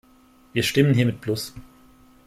Wir stimmen hier mit plus.